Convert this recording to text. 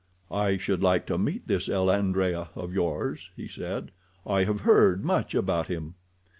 "I should like to meet this el Adrea of yours," he said. "I have heard much about him."